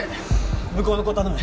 向こうの子頼む。